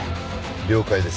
了解です。